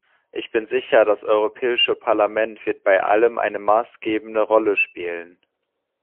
Ich bin sicher, das Europäische Parlament wird bei allem eine maßgebende Rolle spielen.